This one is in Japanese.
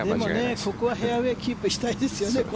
でもここはフェアウェーキープしたいですよね。